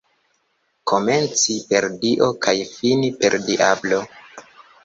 Komenci per Dio kaj fini per diablo.